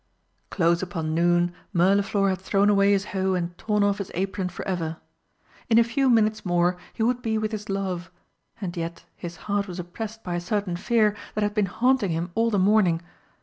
Close upon noon Mirliflor had thrown away his hoe and torn off his apron for ever. In a few minutes more he would be with his love and yet his heart was oppressed by a certain fear that had been haunting him all the morning.